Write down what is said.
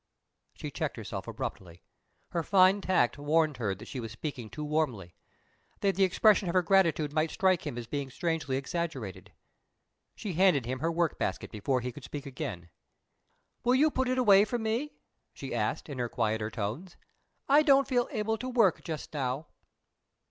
She checked herself abruptly. Her fine tact warned her that she was speaking too warmly that the expression of her gratitude might strike him as being strangely exaggerated. She handed him her work basket before he could speak again. "Will you put it away for me?" she asked, in her quieter tones. "I don't feel able to work just now."